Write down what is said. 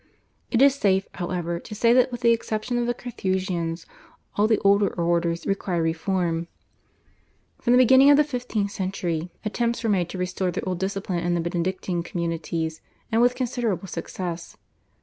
It is safe, however, to say that with the exception of the Carthusians all the older orders required reform. From the beginning of the fifteenth century attempts were made to restore the old discipline in the Benedictine communities and with considerable success.